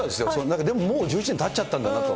なんかでも、もう１１年たっちゃったんだなと。